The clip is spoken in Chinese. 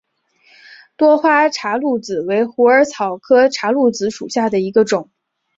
多花茶藨子为虎耳草科茶藨子属下的一个种。